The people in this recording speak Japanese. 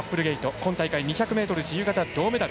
今大会２００自由形、銅メダル。